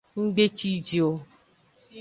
Nggbe ciji o.